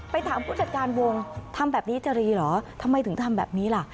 ถามผู้จัดการวงทำแบบนี้จะรีเหรอทำไมถึงทำแบบนี้ล่ะ